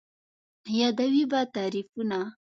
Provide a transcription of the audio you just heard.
یادوې به تعريفونه